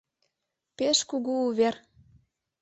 Пеш кугу увер.